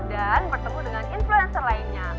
dan bertemu dengan influencer lainnya